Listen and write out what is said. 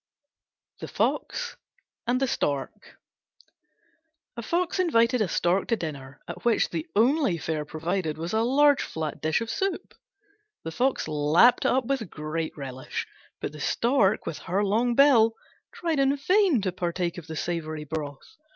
THE FOX AND THE STORK A Fox invited a Stork to dinner, at which the only fare provided was a large flat dish of soup. The Fox lapped it up with great relish, but the Stork with her long bill tried in vain to partake of the savoury broth.